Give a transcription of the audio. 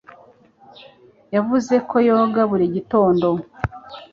Yavuze ko yoga buri gitondo.